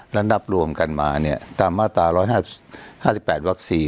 และนับรวมกันมาเนี่ยตามมาตรา๑๕๘วัก๔